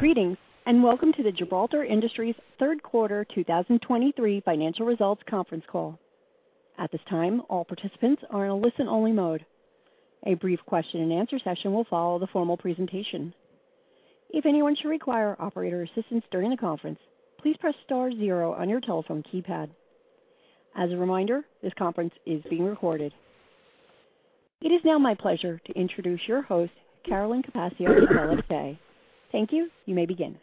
Greetings, and welcome to the Gibraltar Industries Third Quarter 2023 Financial Results Conference Call. At this time, all participants are in a listen-only mode. A brief question-and-answer session will follow the formal presentation. If anyone should require operator assistance during the conference, please press star zero on your telephone keypad. As a reminder, this conference is being recorded. It is now my pleasure to introduce your host, Carolyn Capaccio of LHA. Thank you. You may begin.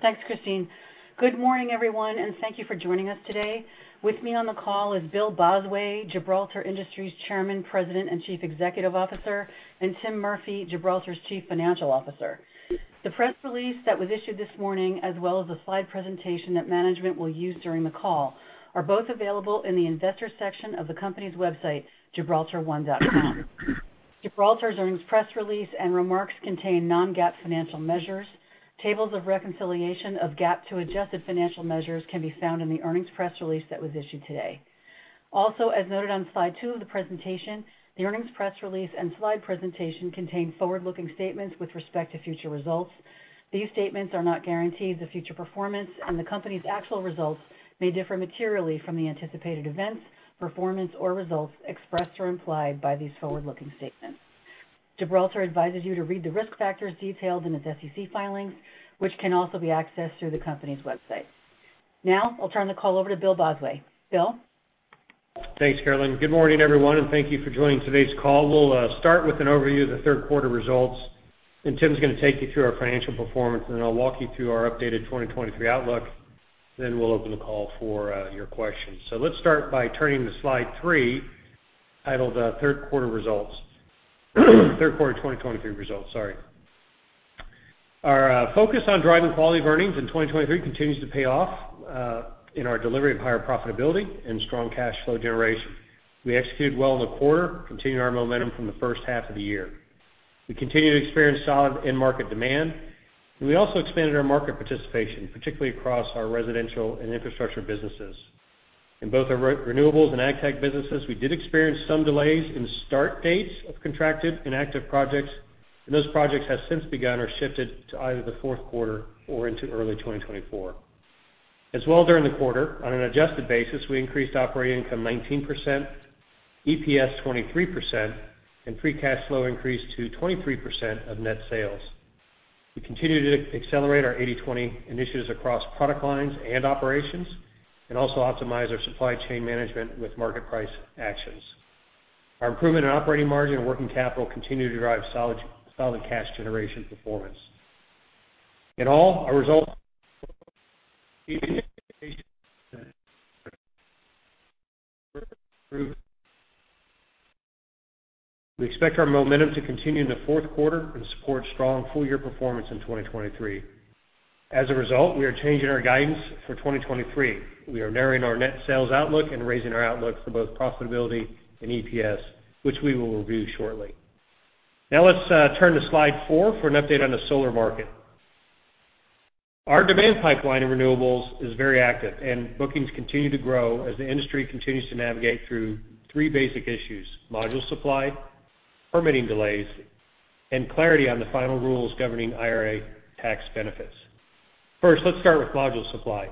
Thanks, Christine. Good morning, everyone, and thank you for joining us today. With me on the call is Bill Bosway, Gibraltar Industries Chairman, President, and Chief Executive Officer, and Tim Murphy, Gibraltar's Chief Financial Officer. The press release that was issued this morning, as well as the slide presentation that management will use during the call, are both available in the Investors section of the company's website, gibraltar1.com. Gibraltar's earnings, press release, and remarks contain non-GAAP financial measures. Tables of reconciliation of GAAP to adjusted financial measures can be found in the earnings press release that was issued today. Also, as noted on slide two of the presentation, the earnings press release and slide presentation contain forward-looking statements with respect to future results. These statements are not guarantees of future performance, and the company's actual results may differ materially from the anticipated events, performance, or results expressed or implied by these forward-looking statements. Gibraltar advises you to read the risk factors detailed in its SEC filings, which can also be accessed through the company's website. Now, I'll turn the call over to Bill Bosway. Bill? Thanks, Carolyn. Good morning, everyone, and thank you for joining today's call. We'll start with an overview of the third quarter results, and Tim's gonna take you through our financial performance, and then I'll walk you through our updated 2023 outlook. Then we'll open the call for your questions. So let's start by turning to slide three, titled Third Quarter Results. Third Quarter 2023 Results, sorry. Our focus on driving quality earnings in 2023 continues to pay off in our delivery of higher profitability and strong cash flow generation. We executed well in the quarter, continuing our momentum from the first half of the year. We continue to experience solid end market demand. We also expanded our market participation, particularly across our residential and infrastructure businesses. In both our renewables and AgTech businesses, we did experience some delays in start dates of contracted and active projects, and those projects have since begun or shifted to either the fourth quarter or into early 2024. As well, during the quarter, on an adjusted basis, we increased operating income 19%, EPS 23%, and free cash flow increased to 23% of net sales. We continue to accelerate our 80/20 Initiatives across product lines and operations and also optimize our supply chain management with market price actions. Our improvement in operating margin and working capital continue to drive solid, solid cash generation performance. In all, our results. We expect our momentum to continue in the fourth quarter and support strong full-year performance in 2023. As a result, we are changing our guidance for 2023. We are narrowing our net sales outlook and raising our outlook for both profitability and EPS, which we will review shortly. Now, let's turn to slide four for an update on the solar market. Our demand pipeline in renewables is very active, and bookings continue to grow as the industry continues to navigate through three basic issues: module supply, permitting delays, and clarity on the final rules governing IRA tax benefits. First, let's start with module supply.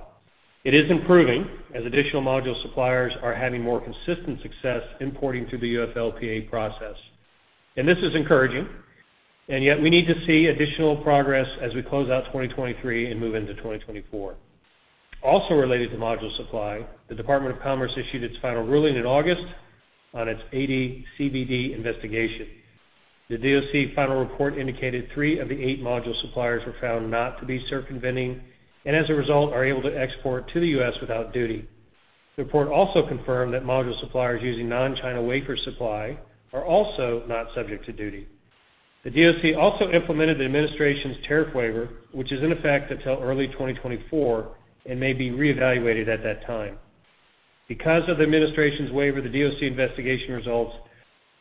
It is improving, as additional module suppliers are having more consistent success importing through the UFLPA process. And this is encouraging, and yet we need to see additional progress as we close out 2023 and move into 2024. Also related to module supply, the Department of Commerce issued its final ruling in August on its AD/CVD investigation. The DOC final report indicated three of the eight module suppliers were found not to be circumventing, and as a result, are able to export to the U.S. without duty. The report also confirmed that module suppliers using non-China wafer supply are also not subject to duty. The DOC also implemented the administration's tariff waiver, which is in effect until early 2024 and may be re-evaluated at that time. Because of the administration's waiver, the DOC investigation results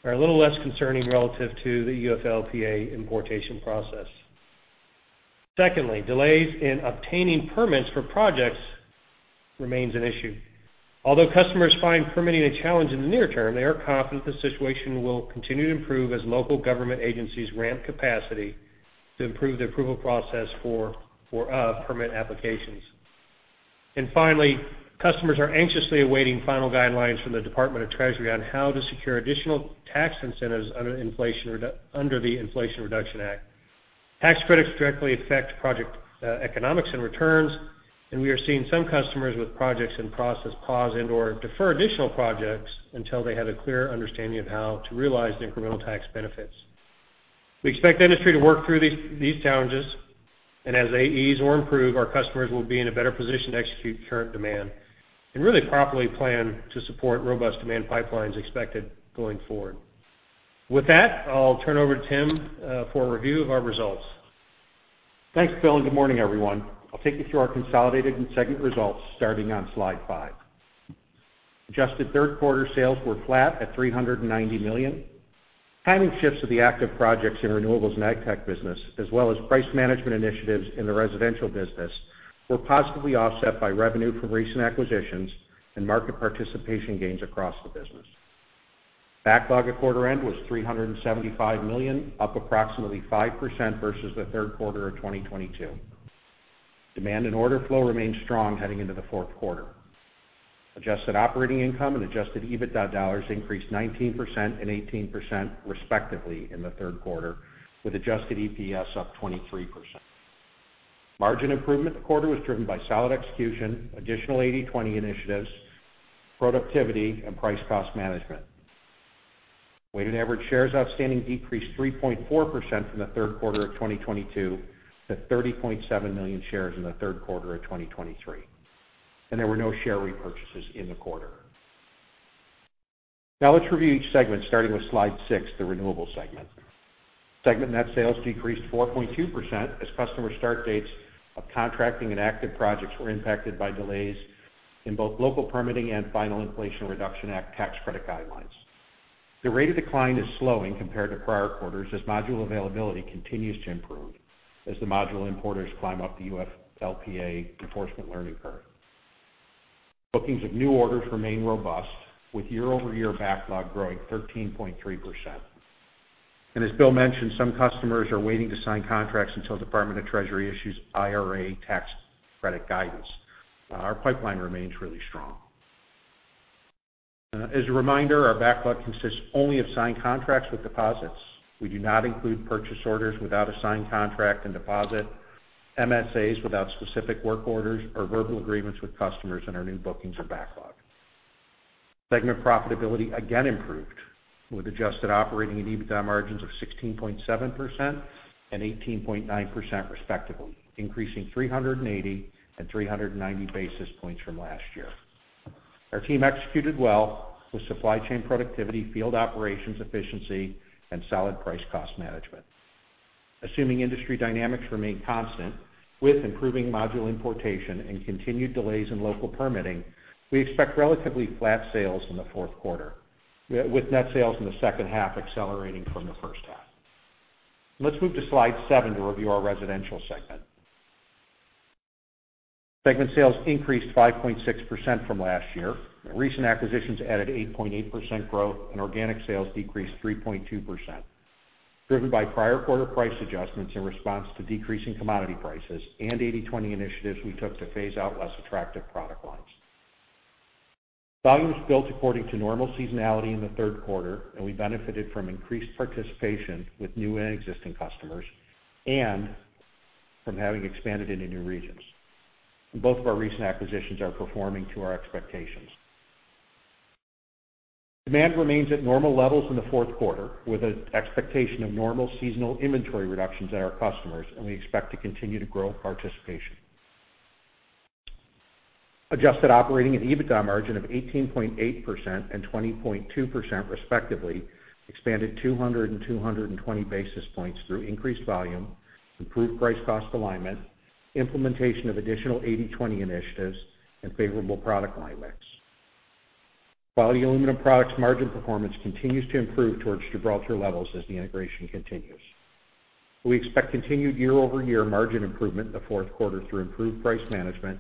are a little less concerning relative to the UFLPA importation process. Secondly, delays in obtaining permits for projects remains an issue. Although customers find permitting a challenge in the near term, they are confident the situation will continue to improve as local government agencies ramp capacity to improve the approval process for permit applications. And finally, customers are anxiously awaiting final guidelines from the Department of Treasury on how to secure additional tax incentives under the Inflation Reduction Act. Tax credits directly affect project economics and returns, and we are seeing some customers with projects in process pause and/or defer additional projects until they have a clearer understanding of how to realize the incremental tax benefits. We expect the industry to work through these, these challenges, and as they ease or improve, our customers will be in a better position to execute current demand and really properly plan to support robust demand pipelines expected going forward. With that, I'll turn it over to Tim for a review of our results. Thanks, Bill, and good morning, everyone. I'll take you through our consolidated and segment results, starting on slide five. Adjusted third-quarter sales were flat at $390 million. Timing shifts of the active projects in Renewables and AgTech business, as well as price management initiatives in the Residential business, were positively offset by revenue from recent acquisitions and market participation gains across the business. Backlog at quarter end was $375 million, up approximately 5% versus the third quarter of 2022. Demand and order flow remained strong heading into the fourth quarter. Adjusted operating income and adjusted EBITDA dollars increased 19% and 18%, respectively, in the third quarter, with adjusted EPS up 23%. Margin improvement in the quarter was driven by solid execution, additional 80/20 initiatives, productivity, and price cost management. Weighted average shares outstanding decreased 3.4% from the third quarter of 2022 to 30.7 million shares in the third quarter of 2023, and there were no share repurchases in the quarter. Now let's review each segment, starting with slide six, the Renewable segment. Segment net sales decreased 4.2% as customer start dates of contracting and active projects were impacted by delays in both local permitting and final Inflation Reduction Act tax credit guidelines. The rate of decline is slowing compared to prior quarters, as module availability continues to improve as the module importers climb up the UFLPA enforcement learning curve. Bookings of new orders remain robust, with year-over-year backlog growing 13.3%. And as Bill mentioned, some customers are waiting to sign contracts until Department of Treasury issues IRA tax credit guidance. Our pipeline remains really strong. As a reminder, our backlog consists only of signed contracts with deposits. We do not include purchase orders without a signed contract and deposit, MSAs without specific work orders, or verbal agreements with customers in our new bookings or backlog. Segment profitability again improved, with adjusted operating and EBITDA margins of 16.7% and 18.9%, respectively, increasing 380 and 390 basis points from last year. Our team executed well with supply chain productivity, field operations efficiency, and solid price cost management. Assuming industry dynamics remain constant with improving module importation and continued delays in local permitting, we expect relatively flat sales in the fourth quarter, with net sales in the second half accelerating from the first half. Let's move to slide seven to review our Residential segment. Segment sales increased 5.6% from last year. Recent acquisitions added 8.8% growth, and organic sales decreased 3.2%, driven by prior quarter price adjustments in response to decreasing commodity prices and 80/20 initiatives we took to phase out less attractive product lines. Volumes built according to normal seasonality in the third quarter, and we benefited from increased participation with new and existing customers and from having expanded into new regions. Both of our recent acquisitions are performing to our expectations. Demand remains at normal levels in the fourth quarter, with an expectation of normal seasonal inventory reductions at our customers, and we expect to continue to grow participation. Adjusted operating and EBITDA margin of 18.8% and 20.2%, respectively, expanded 200 and 220 basis points through increased volume, improved price cost alignment, implementation of additional 80/20 initiatives, and favorable product line mix. Quality Aluminum Products margin performance continues to improve towards Gibraltar levels as the integration continues. We expect continued year-over-year margin improvement in the fourth quarter through improved price management,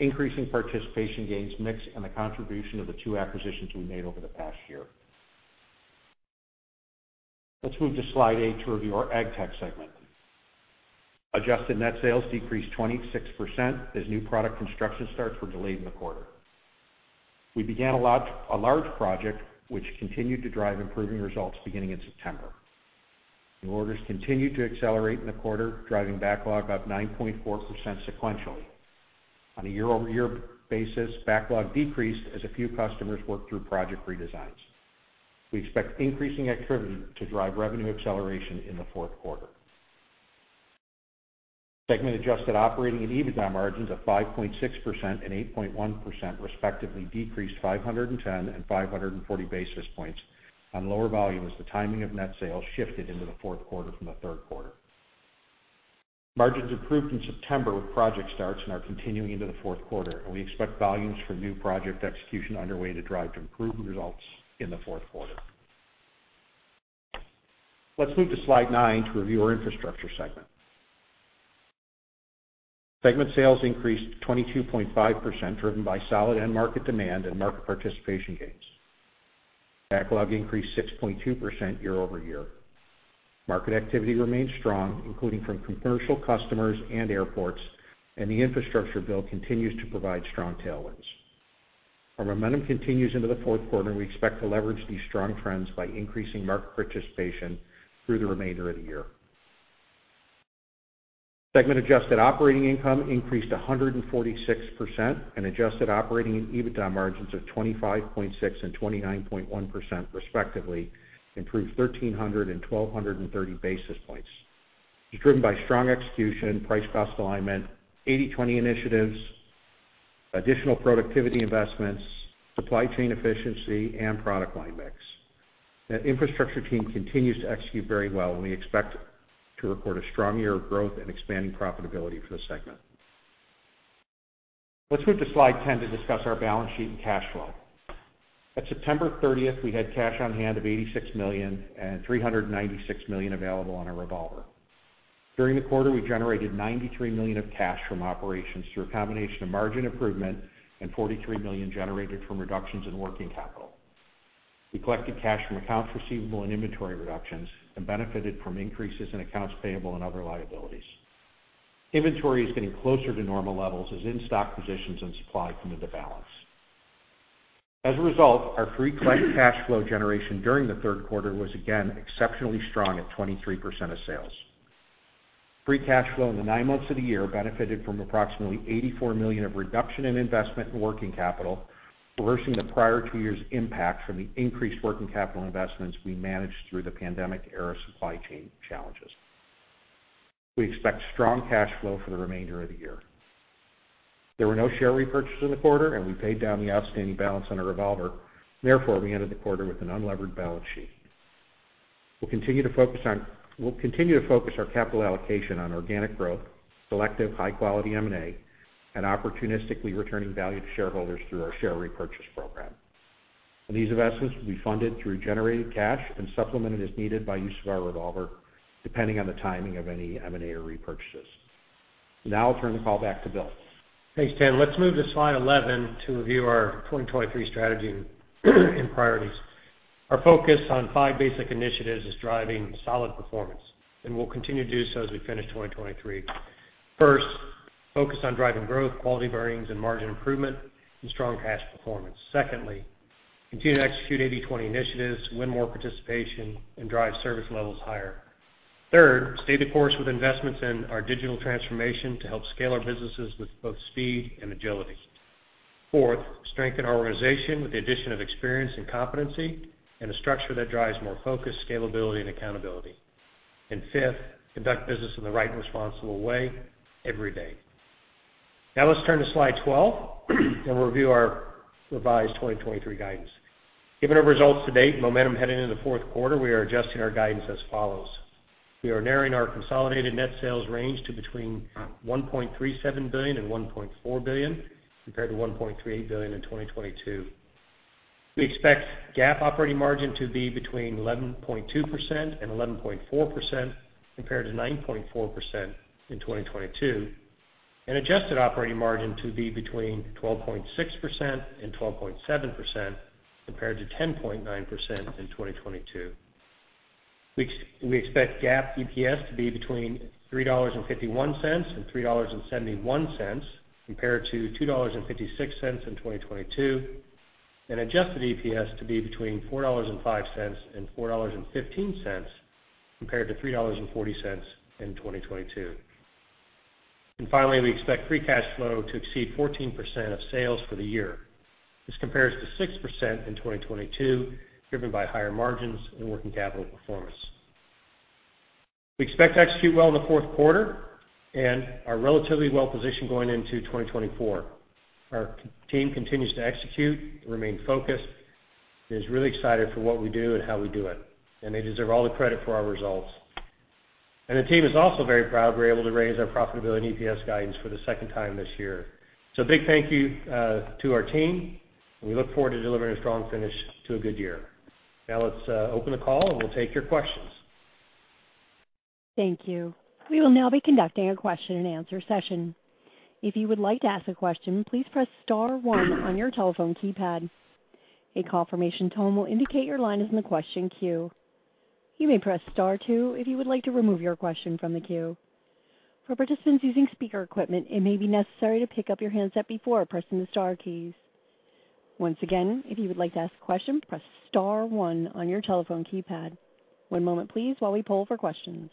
increasing participation gains mix, and the contribution of the two acquisitions we made over the past year. Let's move to slide eight to review our AgTech segment. Adjusted net sales decreased 26%, as new product construction starts were delayed in the quarter. We began a large project, which continued to drive improving results beginning in September. New orders continued to accelerate in the quarter, driving backlog up 9.4% sequentially. On a year-over-year basis, backlog decreased as a few customers worked through project redesigns. We expect increasing activity to drive revenue acceleration in the fourth quarter. Segment adjusted operating and EBITDA margins of 5.6% and 8.1%, respectively, decreased 510 and 540 basis points on lower volume, as the timing of net sales shifted into the fourth quarter from the third quarter. Margins improved in September with project starts and are continuing into the fourth quarter, and we expect volumes for new project execution underway to drive improved results in the fourth quarter. Let's move to slide nine to review our Infrastructure segment. Segment sales increased 22.5%, driven by solid end market demand and market participation gains. Backlog increased 6.2% year-over-year. Market activity remains strong, including from commercial customers and airports, and the infrastructure build continues to provide strong tailwinds. Our momentum continues into the fourth quarter, and we expect to leverage these strong trends by increasing market participation through the remainder of the year. Segment adjusted operating income increased 146%, and adjusted operating and EBITDA margins of 25.6% and 29.1%, respectively, improved 1,300 and 1,230 basis points. It's driven by strong execution, price cost alignment, 80/20 Initiatives, additional productivity investments, supply chain efficiency, and product line mix. The infrastructure team continues to execute very well, and we expect to record a strong year of growth and expanding profitability for the segment. Let's move to Slide 10 to discuss our balance sheet and cash flow. At September 30, we had cash on hand of $86 million and $396 million available on our revolver. During the quarter, we generated $93 million of cash from operations through a combination of margin improvement and $43 million generated from reductions in working capital. We collected cash from accounts receivable and inventory reductions and benefited from increases in accounts payable and other liabilities. Inventory is getting closer to normal levels as in-stock positions and supply come into balance. As a result, our free cash flow generation during the third quarter was again exceptionally strong at 23% of sales. Free cash flow in the nine months of the year benefited from approximately $84 million of reduction in investment and working capital, reversing the prior two years' impact from the increased working capital investments we managed through the pandemic-era supply chain challenges. We expect strong cash flow for the remainder of the year. There were no share repurchases in the quarter, and we paid down the outstanding balance on our revolver. Therefore, we ended the quarter with an unlevered balance sheet. We'll continue to focus our capital allocation on organic growth, selective high-quality M&A, and opportunistically returning value to shareholders through our share repurchase program. These investments will be funded through generated cash and supplemented as needed by use of our revolver, depending on the timing of any M&A or repurchases. Now I'll turn the call back to Bill. Thanks, Tim. Let's move to slide 11 to review our 2023 strategy and priorities. Our focus on five basic initiatives is driving solid performance, and we'll continue to do so as we finish 2023. First, focus on driving growth, quality earnings, and margin improvement and strong cash performance. Secondly, continue to execute 80/20 initiatives, win more participation, and drive service levels higher. Third, stay the course with investments in our digital transformation to help scale our businesses with both speed and agility. Fourth, strengthen our organization with the addition of experience and competency and a structure that drives more focus, scalability, and accountability. And fifth, conduct business in the right and responsible way every day. Now let's turn to slide 12, and we'll review our revised 2023 guidance. Given our results to date and momentum heading into the fourth quarter, we are adjusting our guidance as follows: We are narrowing our consolidated net sales range to between $1.37 billion and $1.4 billion, compared to $1.38 billion in 2022. We expect GAAP operating margin to be between 11.2% and 11.4%, compared to 9.4% in 2022, and adjusted operating margin to be between 12.6% and 12.7%, compared to 10.9% in 2022. We expect GAAP EPS to be between $3.51 and $3.71, compared to $2.56 in 2022, and adjusted EPS to be between $4.05 and $4.15, compared to $3.40 in 2022. And finally, we expect free cash flow to exceed 14% of sales for the year. This compares to 6% in 2022, driven by higher margins and working capital performance. We expect to execute well in the fourth quarter and are relatively well positioned going into 2024. Our team continues to execute, remain focused, and is really excited for what we do and how we do it, and they deserve all the credit for our results. The team is also very proud we're able to raise our profitability and EPS guidance for the second time this year. A big thank you to our team, and we look forward to delivering a strong finish to a good year. Now let's open the call, and we'll take your questions. Thank you. We will now be conducting a question-and-answer session. If you would like to ask a question, please press star one on your telephone keypad. A confirmation tone will indicate your line is in the question queue. You may press star two if you would like to remove your question from the queue. For participants using speaker equipment, it may be necessary to pick up your handset before pressing the star keys. Once again, if you would like to ask a question, press star one on your telephone keypad. One moment, please, while we poll for questions.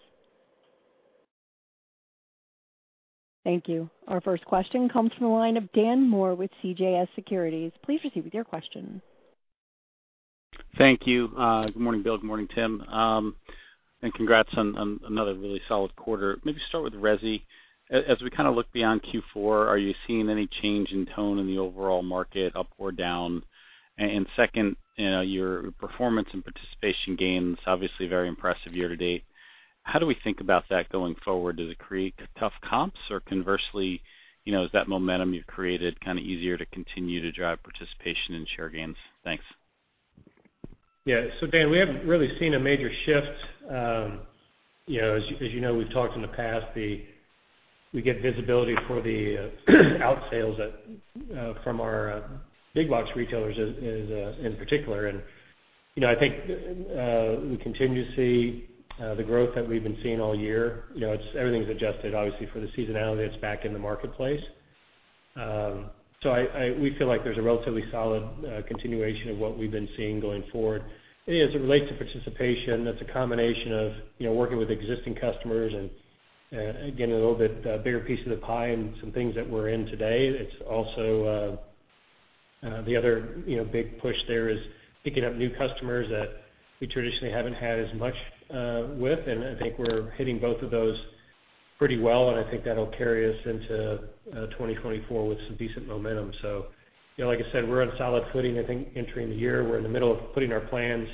Thank you. Our first question comes from the line of Dan Moore with CJS Securities. Please proceed with your question. Thank you. Good morning, Bill, good morning, Tim. And congrats on another really solid quarter. Maybe start with resi. As we kind of look beyond Q4, are you seeing any change in tone in the overall market, up or down? And second, you know, your performance and participation gains, obviously very impressive year to date. How do we think about that going forward? Does it create tough comps? Or conversely, you know, is that momentum you've created kind of easier to continue to drive participation and share gains? Thanks. Yeah. So Dan, we haven't really seen a major shift. You know, as you know, we've talked in the past. We get visibility for the our sales to our big box retailers, in particular. And, you know, I think we continue to see the growth that we've been seeing all year. You know, it's everything's adjusted, obviously, for the seasonality that's back in the marketplace. So we feel like there's a relatively solid continuation of what we've been seeing going forward. As it relates to participation, that's a combination of, you know, working with existing customers and getting a little bit bigger piece of the pie and some things that we're in today. It's also, the other, you know, big push there is picking up new customers that we traditionally haven't had as much, with, and I think we're hitting both of those pretty well, and I think that'll carry us into 2024 with some decent momentum. So, you know, like I said, we're on solid footing, I think, entering the year. We're in the middle of putting our plans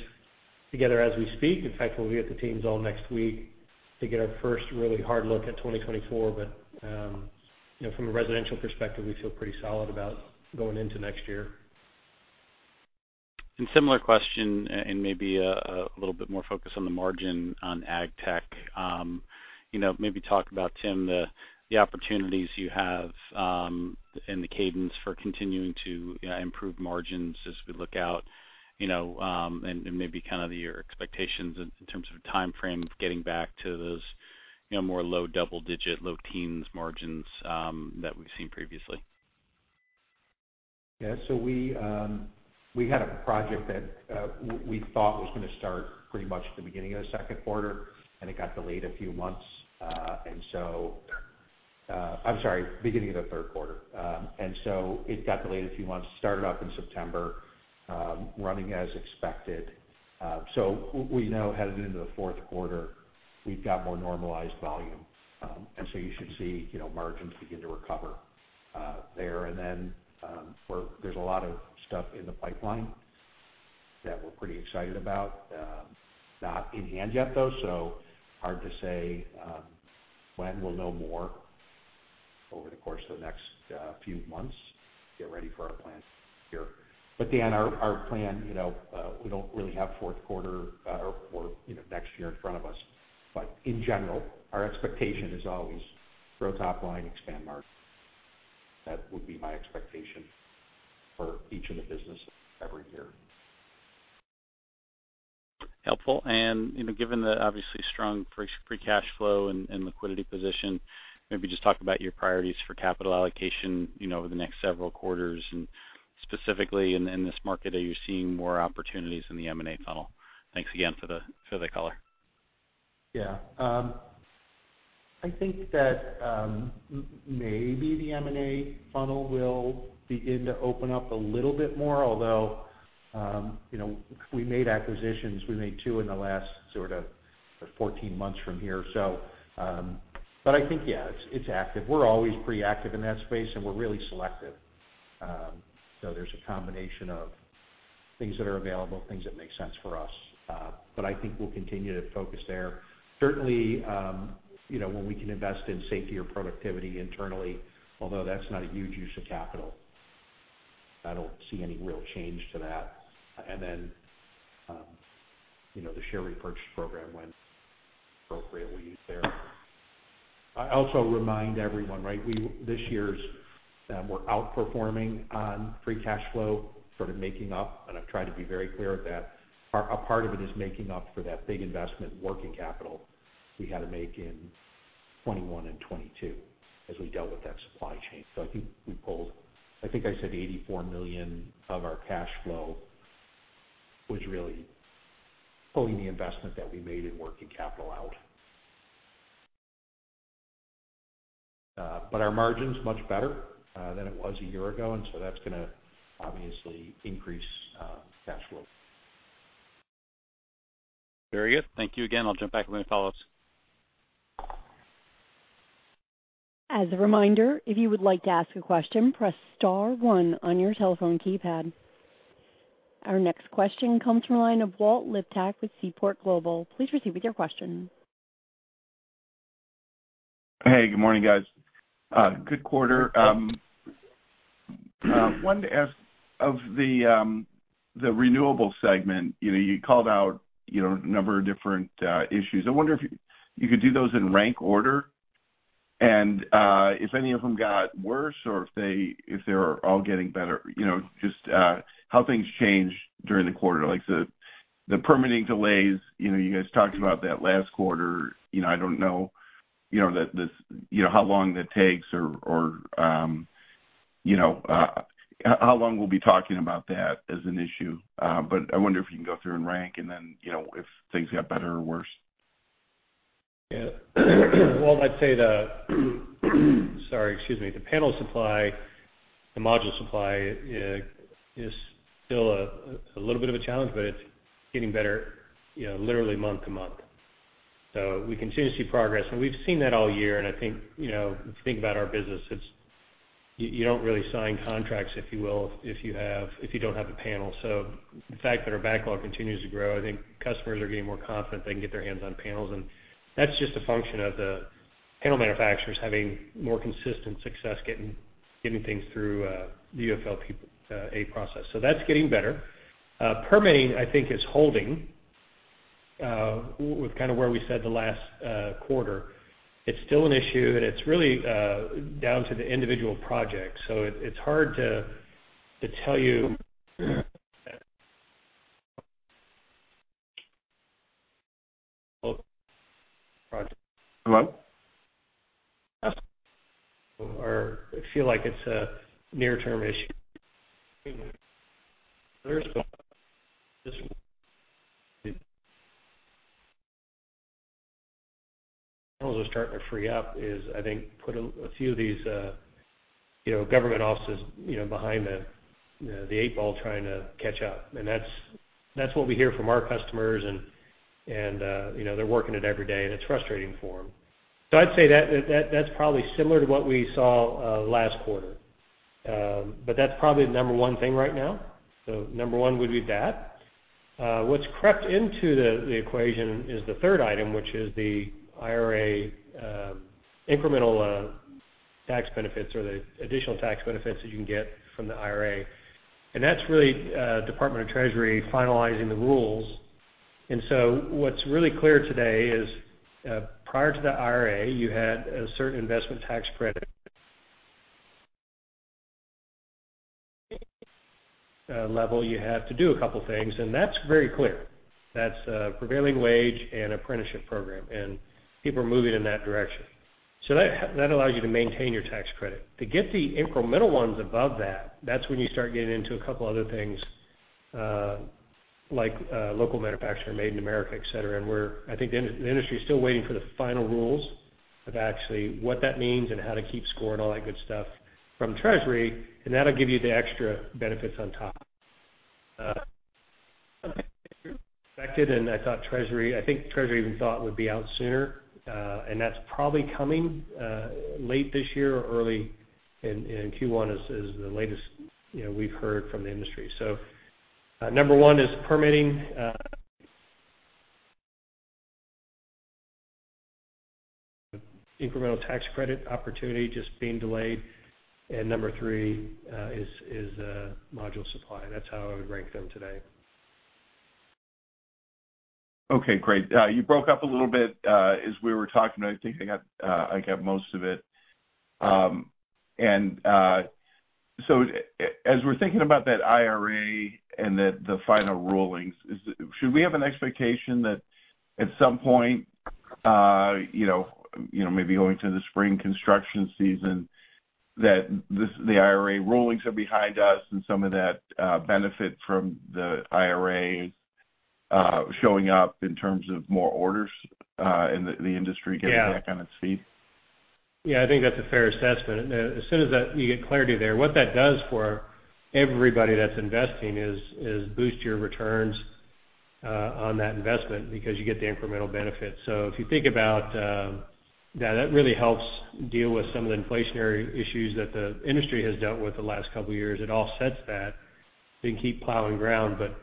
together as we speak. In fact, we'll be at the teams all next week to get our first really hard look at 2024. But, you know, from a residential perspective, we feel pretty solid about going into next year. And similar question, and maybe a little bit more focus on the margin on ag tech. You know, maybe talk about, Tim, the opportunities you have, and the cadence for continuing to improve margins as we look out, you know, and maybe kind of your expectations in terms of timeframe of getting back to those, you know, more low double digit, low teens margins, that we've seen previously. Yeah. So we had a project that we thought was gonna start pretty much at the beginning of the second quarter, and it got delayed a few months. I'm sorry, beginning of the third quarter. It got delayed a few months, started up in September, running as expected. So we know headed into the fourth quarter, we've got more normalized volume. And so you should see, you know, margins begin to recover there. And then, there's a lot of stuff in the pipeline that we're pretty excited about. Not in hand yet, though, so hard to say when we'll know more over the course of the next few months, get ready for our plan here. But Dan, our, our plan, you know, we don't really have fourth quarter, or, you know, next year in front of us. But in general, our expectation is always grow top line, expand margin. That would be my expectation for each of the businesses every year. Helpful. You know, given the obviously strong free cash flow and liquidity position, maybe just talk about your priorities for capital allocation, you know, over the next several quarters, and specifically in this market, are you seeing more opportunities in the M&A funnel? Thanks again for the color. Yeah. I think that maybe the M&A funnel will begin to open up a little bit more, although you know, we made acquisitions. We made two in the last sort of 14 months from here or so. But I think, yeah, it's active. We're always pretty active in that space, and we're really selective. So there's a combination of things that are available, things that make sense for us, but I think we'll continue to focus there. Certainly you know, when we can invest in safety or productivity internally, although that's not a huge use of capital, I don't see any real change to that. And then you know, the share repurchase program, when appropriate, we use there. I also remind everyone, right, this year we're outperforming on free cash flow, sort of making up, and I've tried to be very clear of that. A part of it is making up for that big investment in working capital we had to make in 2021 and 2022 as we dealt with that supply chain. So I think we pulled, I think I said $84 million of our cash flow was really pulling the investment that we made in working capital out. But our margins much better than it was a year ago, and so that's gonna obviously increase cash flow. Very good. Thank you again. I'll jump back with any follow-ups. As a reminder, if you would like to ask a question, press star one on your telephone keypad. Our next question comes from the line of Walt Liptak with Seaport Global. Please proceed with your question. Hey, good morning, guys. Good quarter. Wanted to ask of the renewable segment, you know, you called out, you know, a number of different issues. I wonder if you could do those in rank order, and if any of them got worse or if they're all getting better. You know, just how things changed during the quarter, like the permitting delays, you know, you guys talked about that last quarter. You know, I don't know, you know, how long that takes or, you know, how long we'll be talking about that as an issue. But I wonder if you can go through and rank and then, you know, if things got better or worse. Yeah. Well, I'd say the, sorry, excuse me. The panel supply, the module supply, is still a little bit of a challenge, but it's getting better, you know, literally month to month. So we continue to see progress, and we've seen that all year. And I think, you know, if you think about our business, it's, you don't really sign contracts, if you will, if you don't have a panel. So the fact that our backlog continues to grow, I think customers are getting more confident they can get their hands on panels, and that's just a function of the panel manufacturers having more consistent success getting things through the UFLPA process. So that's getting better. Permitting, I think, is holding with kind of where we said the last quarter. It's still an issue, and it's really down to the individual project, so it's hard to tell you. Hello? Hello. Or feel like it's a near-term issue. [audio distorton] are starting to free up is, I think, put a, a few of these, you know, government offices, you know, behind the, the eight ball trying to catch up. And that's, that's what we hear from our customers, and, and, you know, they're working it every day, and it's frustrating for them. So I'd say that, that, that's probably similar to what we saw, last quarter. But that's probably the number one thing right now. So number one would be that, what's crept into the, the equation is the third item, which is the IRA, incremental, tax benefits or the additional tax benefits that you can get from the IRA. And that's really, Department of Treasury finalizing the rules. What's really clear today is, prior to the IRA, you had a certain Investment Tax Credit level. You had to do a couple things, and that's very clear. That's prevailing wage and apprenticeship program, and people are moving in that direction. So that allows you to maintain your tax credit. To get the incremental ones above that, that's when you start getting into a couple other things, like local manufacturer, Made in America, et cetera. And we're, I think the industry is still waiting for the final rules of actually what that means and how to keep score and all that good stuff from Treasury, and that'll give you the extra benefits on top. Expected, and I thought Treasury. I think Treasury even thought it would be out sooner, and that's probably coming late this year or early in Q1 is the latest, you know, we've heard from the industry. So, number one is permitting. Incremental tax credit opportunity just being delayed, and number three is module supply. That's how I would rank them today. Okay, great. You broke up a little bit as we were talking. I think I got, I got most of it. And so as we're thinking about that IRA and the final rulings, should we have an expectation that at some point, you know, you know, maybe going to the spring construction season, that this, the IRA rulings are behind us and some of that benefit from the IRA showing up in terms of more orders and the industry- Yeah. getting back on its feet? Yeah, I think that's a fair assessment. As soon as that, you get clarity there, what that does for everybody that's investing is, is boost your returns on that investment because you get the incremental benefit. So if you think about, Yeah, that really helps deal with some of the inflationary issues that the industry has dealt with the last couple of years. It offsets that, you can keep plowing ground. But,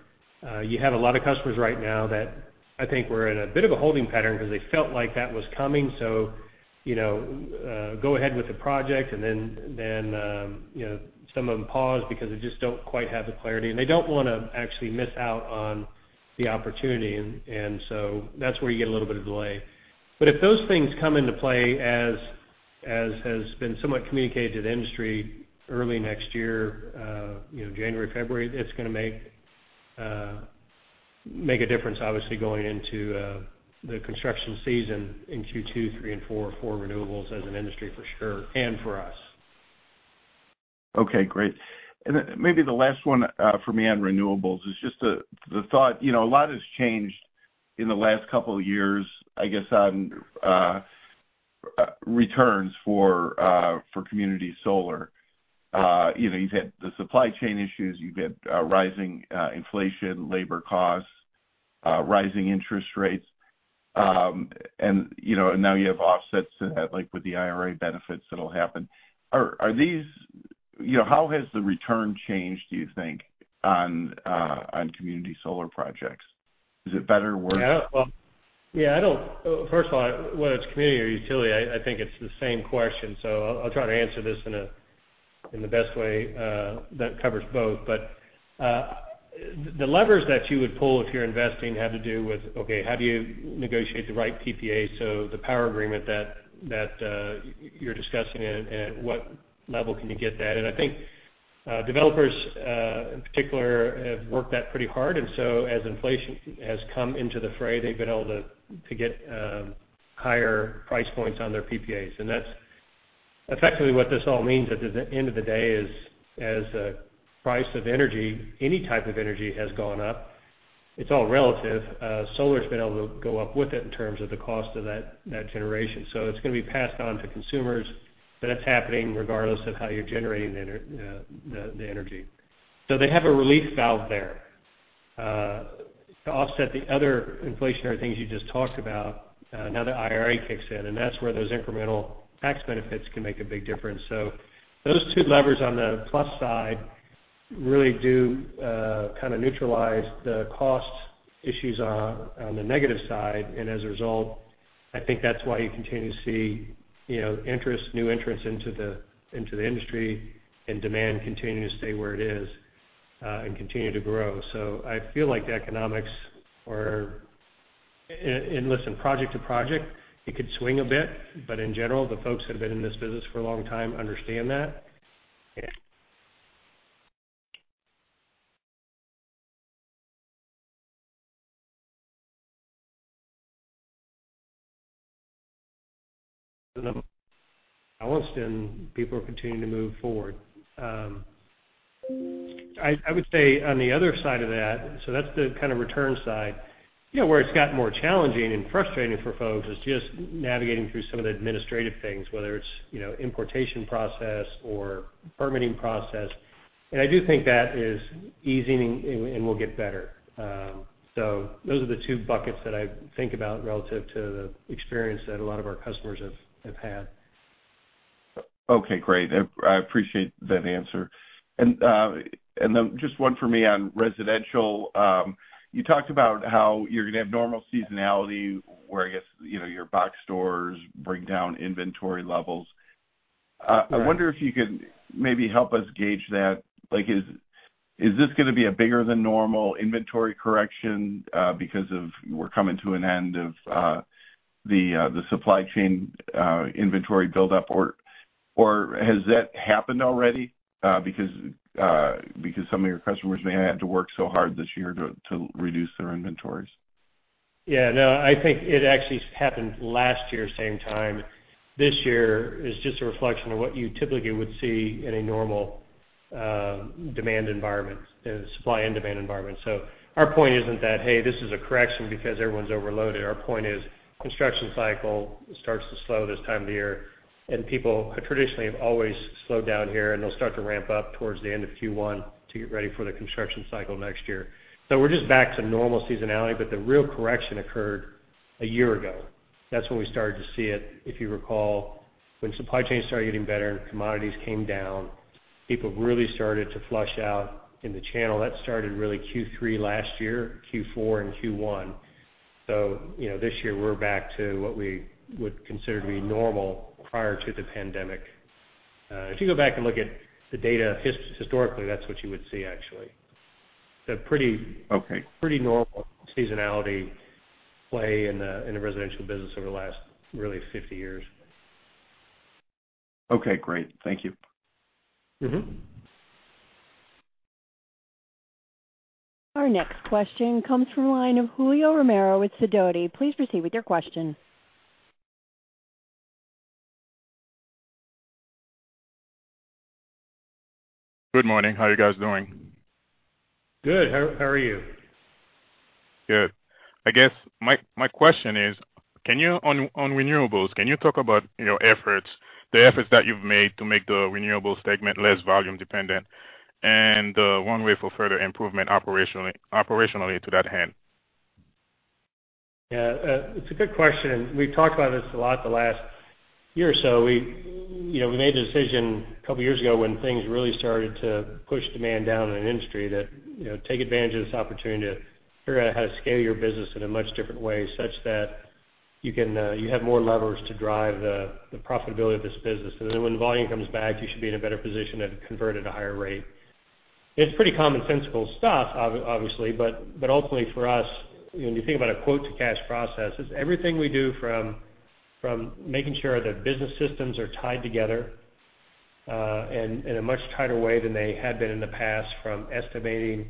you have a lot of customers right now that I think we're in a bit of a holding pattern because they felt like that was coming, so, you know, go ahead with the project, and then, then, you know, some of them pause because they just don't quite have the clarity. They don't want to actually miss out on the opportunity, and so that's where you get a little bit of delay. But if those things come into play, as has been somewhat communicated to the industry early next year, you know, January, February, it's gonna make a difference, obviously, going into the construction season in Q2, Q3, and Q4 for renewables as an industry, for sure, and for us. Okay, great. And then maybe the last one, for me on renewables is just the, the thought, you know, a lot has changed in the last couple of years, I guess, on, returns for, for community solar. You know, you've had the supply chain issues, you've had, rising, inflation, labor costs, rising interest rates, and, you know, and now you have offsets to that, like with the IRA benefits that'll happen. Are, are these, you know, how has the return changed, do you think, on, on community solar projects? Is it better or worse? Yeah. Well, yeah, I don't. First of all, whether it's community or utility, I think it's the same question, so I'll try to answer this in the best way that covers both. But the levers that you would pull if you're investing have to do with okay, how do you negotiate the right PPA, so the power agreement that you're discussing and what level can you get that? And I think developers in particular have worked that pretty hard, and so as inflation has come into the fray, they've been able to get higher price points on their PPAs. And that's effectively what this all means at the end of the day is, as price of energy, any type of energy has gone up, it's all relative. Solar's been able to go up with it in terms of the cost of that, that generation. So it's gonna be passed on to consumers, but it's happening regardless of how you're generating the energy. So they have a relief valve there. To offset the other inflationary things you just talked about, now the IRA kicks in, and that's where those incremental tax benefits can make a big difference. So those two levers on the plus side really do kind of neutralize the cost issues on the negative side, and as a result, I think that's why you continue to see, you know, interest, new interest into the industry and demand continuing to stay where it is and continue to grow. So I feel like the economics are a listen, project-t- project, it could swing a bit, but in general, the folks that have been in this business for a long time understand that. Yeah. People are continuing to move forward. I would say on the other side of that, so that's the kind of return side. You know, where it's gotten more challenging and frustrating for folks is just navigating through some of the administrative things, whether it's, you know, importation process or permitting process. I do think that is easing and will get better. So those are the two buckets that I think about relative to the experience that a lot of our customers have had. Okay, great. I appreciate that answer. And then just one for me on residential. You talked about how you're gonna have normal seasonality, where, I guess, you know, your box stores bring down inventory levels. I wonder if you could maybe help us gauge that. Like, is this gonna be a bigger than normal inventory correction, because we're coming to an end of the supply chain inventory buildup, or has that happened already, because some of your customers may not have to work so hard this year to reduce their inventories? Yeah, no, I think it actually happened last year, same time. This year is just a reflection of what you typically would see in a normal demand environment, supply and demand environment. So our point isn't that, hey, this is a correction because everyone's overloaded. Our point is, construction cycle starts to slow this time of the year, and people traditionally have always slowed down here, and they'll start to ramp up towards the end of Q1 to get ready for the construction cycle next year. So we're just back to normal seasonality, but the real correction occurred a year ago. That's when we started to see it. If you recall, when supply chains started getting better and commodities came down, people really started to flush out in the channel. That started really Q3 last year, Q4 and Q1. So, you know, this year, we're back to what we would consider to be normal prior to the pandemic. If you go back and look at the data historically, that's what you would see, actually. A pretty. Okay. Pretty normal seasonality play in the residential business over the last, really, 50 years. Okay, great. Thank you. Mm-hmm. Our next question comes from the line of Julio Romero with Sidoti. Please proceed with your question. Good morning. How are you guys doing? Good. How are you? Good. I guess my question is, can you, on renewables, can you talk about your efforts, the efforts that you've made to make the renewables segment less volume dependent, and one way for further improvement operationally to that end? Yeah, it's a good question, and we've talked about this a lot the last year or so. We, you know, we made a decision a couple of years ago when things really started to push demand down in an industry that, you know, take advantage of this opportunity to figure out how to scale your business in a much different way, such that you can, you have more levers to drive the, the profitability of this business. And then when volume comes back, you should be in a better position and convert at a higher rate. It's pretty commonsensical stuff, obviously, but ultimately for us, when you think about a quote-to-cash process, it's everything we do from making sure that business systems are tied together and in a much tighter way than they had been in the past, from estimating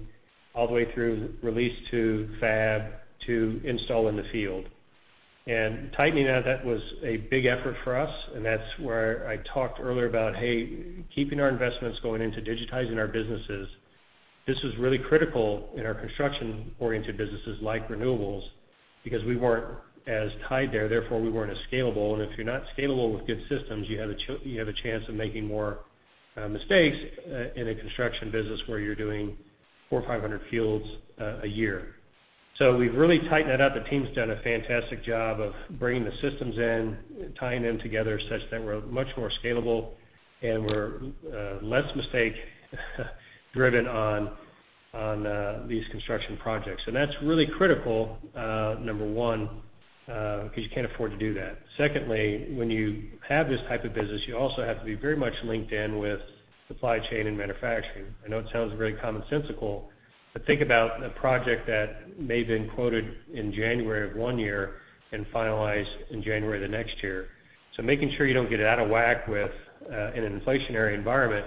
all the way through release to fab to install in the field. Tightening that was a big effort for us, and that's where I talked earlier about, hey, keeping our investments going into digitizing our businesses. This is really critical in our construction-oriented businesses like renewables, because we weren't as tied there, therefore, we weren't as scalable. And if you're not scalable with good systems, you have a chance of making more mistakes in a construction business where you're doing 400 or 500 fields a year. So we've really tightened that up. The team's done a fantastic job of bringing the systems in, tying them together such that we're much more scalable and we're less mistake driven on these construction projects. And that's really critical, number one, because you can't afford to do that. Secondly, when you have this type of business, you also have to be very much linked in with supply chain and manufacturing. I know it sounds very commonsensical, but think about a project that may have been quoted in January of one year and finalized in January of the next year. So making sure you don't get out of whack with in an inflationary environment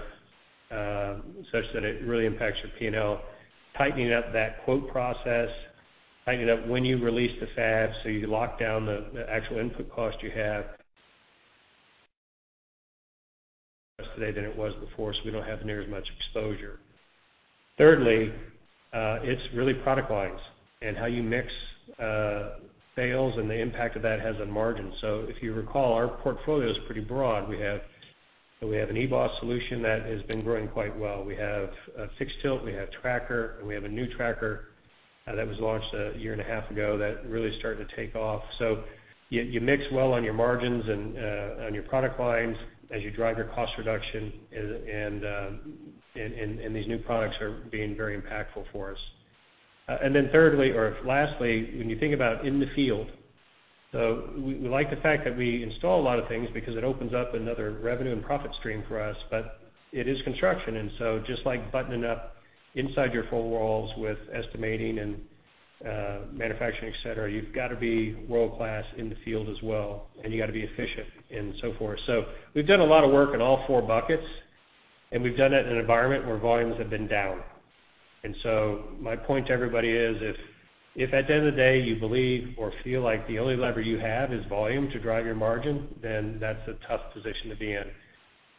such that it really impacts your P&L, tightening up that quote process, tightening up when you release the fab, so you lock down the actual input cost you have. Today than it was before, so we don't have near as much exposure. Thirdly, it's really product lines and how you mix sales and the impact of that has on margin. So if you recall, our portfolio is pretty broad. We have, we have an EBOS solution that has been growing quite well. We have a fixed tilt, we have tracker, and we have a new tracker that was launched a year and a half ago that really started to take off. So you mix well on your margins and on your product lines as you drive your cost reduction, and these new products are being very impactful for us. And then thirdly, or lastly, when you think about in the field, so we like the fact that we install a lot of things because it opens up another revenue and profit stream for us, but it is construction, and so just like buttoning up inside your four walls with estimating and manufacturing, et cetera, you've got to be world-class in the field as well, and you've got to be efficient and so forth. So we've done a lot of work in all four buckets, and we've done it in an environment where volumes have been down. And so my point to everybody is, if at the end of the day, you believe or feel like the only lever you have is volume to drive your margin, then that's a tough position to be in.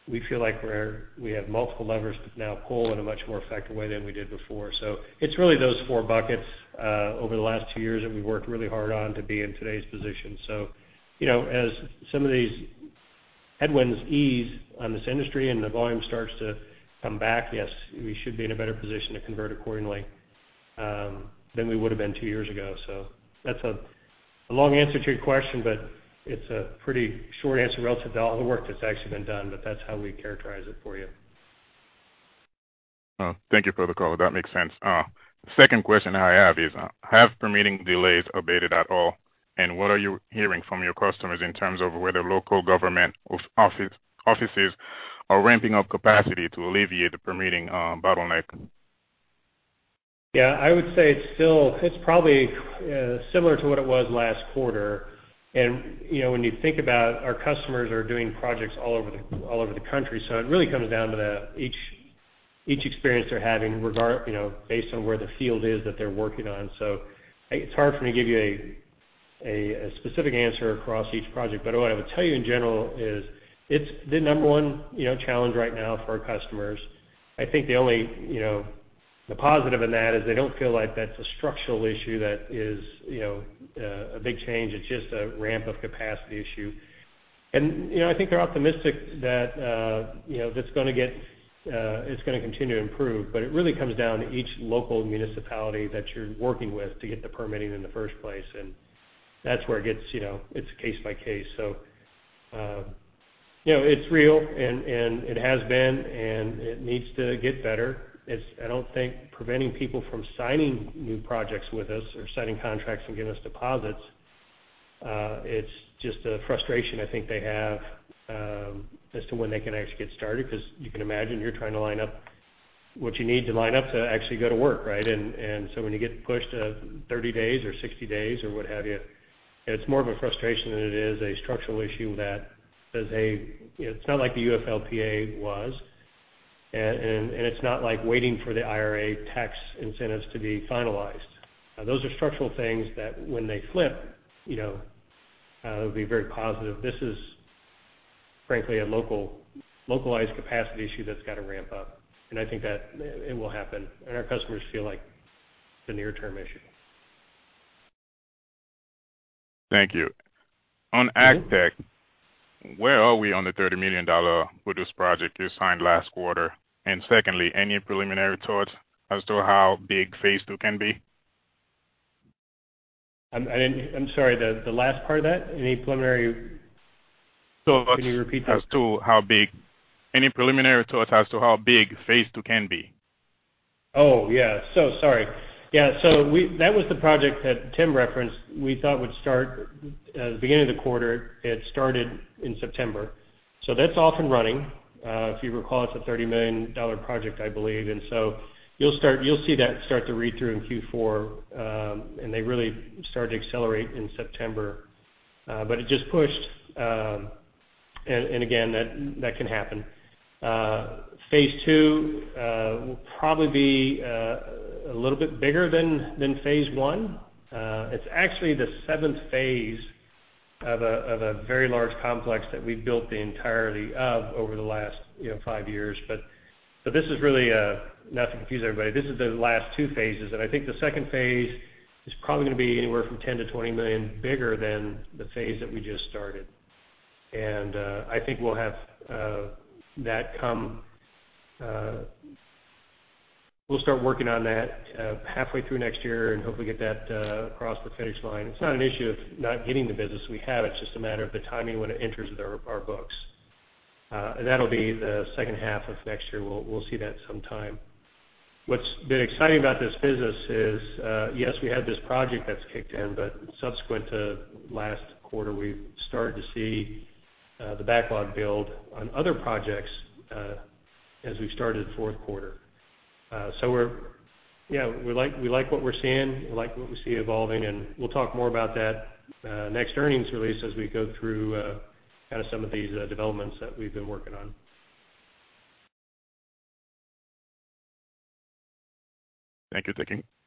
We feel like we have multiple levers to now pull in a much more effective way than we did before. So it's really those four buckets over the last two years that we've worked really hard on to be in today's position. So, you know, as some of these headwinds ease on this industry and the volume starts to come back, yes, we should be in a better position to convert accordingly than we would have been two years ago. So that's a long answer to your question, but it's a pretty short answer relative to all the work that's actually been done, but that's how we characterize it for you. Thank you for the call. That makes sense. The second question I have is, have permitting delays abated at all, and what are you hearing from your customers in terms of whether local government offices are ramping up capacity to alleviate the permitting bottleneck? Yeah, I would say it's still, it's probably similar to what it was last quarter. And, you know, when you think about our customers are doing projects all over the country, so it really comes down to each experience they're having, regarding, you know, based on where the field is that they're working on. So it's hard for me to give you a specific answer across each project. But what I would tell you in general is, it's the number one, you know, challenge right now for our customers. I think the only, you know, the positive in that is they don't feel like that's a structural issue that is, you know, a big change. It's just a ramp of capacity issue. You know, I think they're optimistic that, you know, that's gonna get, it's gonna continue to improve, but it really comes down to each local municipality that you're working with to get the permitting in the first place, and that's where it gets, you know, it's case by case. So, you know, it's real, and it has been, and it needs to get better. It's, I don't think, preventing people from signing new projects with us or signing contracts and giving us deposits. It's just a frustration I think they have, as to when they can actually get started, 'cause you can imagine you're trying to line up what you need to line up to actually go to work, right? So when you get pushed, 30 days or 60 days or what have you, it's more of a frustration than it is a structural issue. It's not like the UFLPA was, and it's not like waiting for the IRA tax incentives to be finalized. Those are structural things that when they flip, you know, it'll be very positive. This is, frankly, a localized capacity issue that's got to ramp up, and I think that it will happen, and our customers feel like the near term issue. Thank you. On AgTech, where are we on the $30 million produce project you signed last quarter? And secondly, any preliminary thoughts as to how big phase II can be? I'm sorry, the last part of that? Any preliminary- Thoughts- Can you repeat that? As to how big. Any preliminary thoughts as to how big phase II can be? Oh, yeah. So sorry. Yeah, so we, that was the project that Tim referenced, we thought would start at the beginning of the quarter. It started in September, so that's off and running. If you recall, it's a $30 million project, I believe. And so you'll start, you'll see that start to read through in Q4, and they really started to accelerate in September. But it just pushed, and, and again, that, that can happen. phase II will probably be a little bit bigger than phase one. It's actually the seventh phase of a very large complex that we've built the entirety of over the last, you know, five years. But this is really not to confuse everybody. This is the last two phases, and I think the second phase is probably gonna be anywhere from $10-$20 million, bigger than the phase that we just started. And, I think we'll have, that come. We'll start working on that, halfway through next year and hopefully get that, across the finish line. It's not an issue of not getting the business we have. It's just a matter of the timing when it enters our books. That'll be the second half of next year. We'll see that sometime. What's been exciting about this business is, yes, we have this project that's kicked in, but subsequent to last quarter, we've started to see, the backlog build on other projects, as we started fourth quarter. So we're, yeah, we like, we like what we're seeing, we like what we see evolving, and we'll talk more about that next earnings release as we go through kinda some of these developments that we've been working on. Thank you.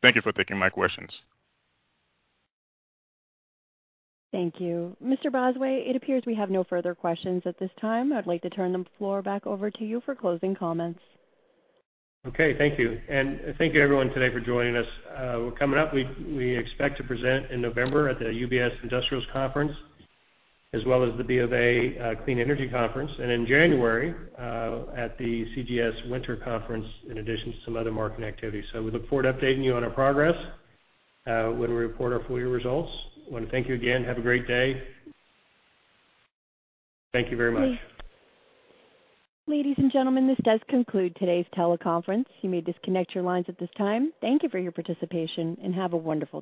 Thank you for taking my questions. Thank you. Mr. Bosway, it appears we have no further questions at this time. I'd like to turn the floor back over to you for closing comments. Okay, thank you. And thank you, everyone, today for joining us. Well, coming up, we, we expect to present in November at the UBS Industrials Conference, as well as the BofA Clean Energy Conference, and in January at the CJS Winter Conference, in addition to some other market activities. So we look forward to updating you on our progress when we report our full year results. I wanna thank you again. Have a great day. Thank you very much. Ladies and gentlemen, this does conclude today's teleconference. You may disconnect your lines at this time. Thank you for your participation, and have a wonderful day.